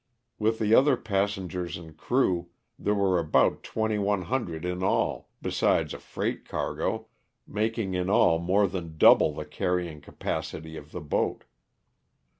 With the other passengers and crew, there were about 2,100 in all, besides a freight cargo, making in all more than double the carrying capacity of the boat.